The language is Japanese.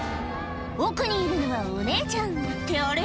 奥にいるのはお姉ちゃんってあれ？